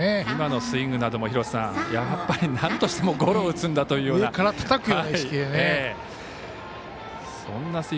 今のスイングなどもなんとしてもゴロを打つんだというような。